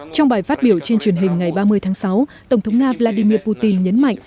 trong bài phát biểu trên truyền hình ngày ba mươi tháng sáu tổng thống nga vladimir putin nhấn mạnh